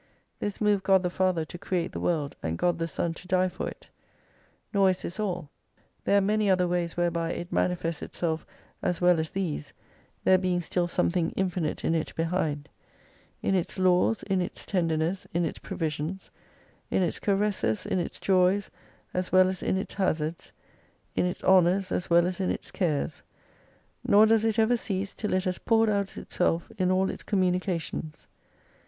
This moved God the Father to create the world, and <jod the Son to die for it. Nor is this all. There are many other ways whereby it manifests itself as well as these, there being still something infinite in it behind : In its laws, in its tenderness, in its provisions, in its caresses, in its joys as well as in its hazards, in its honours as well as in its cares : nor does it ever cease till it has poured out itself in all its communications.